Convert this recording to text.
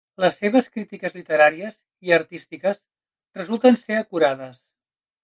Les seves crítiques literàries i artístiques resulten ser acurades.